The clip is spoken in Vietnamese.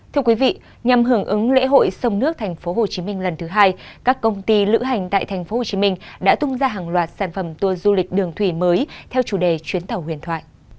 thưa quý vị nhằm hưởng ứng lễ hội sông nước tp hcm lần thứ hai các công ty lữ hành tại tp hcm đã tung ra hàng loạt sản phẩm tour du lịch đường thủy mới theo chủ đề chuyến tàu huyền thoại